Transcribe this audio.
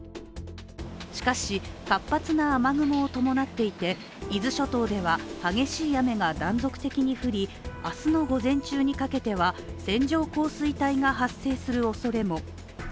しかし、活発な雨雲を伴っていて、伊豆諸島では激しい雨が断続的に降り、明日の午前中にかけては線状降水帯が発生するおそれも。